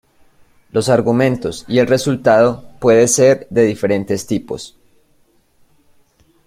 Los argumentos y el resultado puede ser de diferentes tipos.